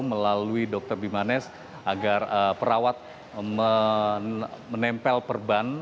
melalui dr bimanes agar perawat menempel perban